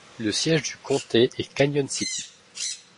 Le siège du comté est Canyon City.